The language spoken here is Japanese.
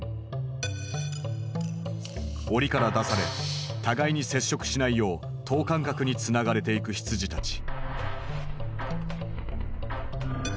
おりから出され互いに接触しないよう等間隔につながれていく羊たち。